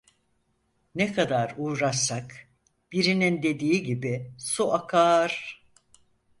Ne kadar uğraşsak -birinin dediği gibi- su akar…